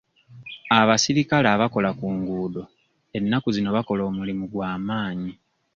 Abasirikale abakola ku nguudo ennaku zino bakola omulimu gwa maanyi.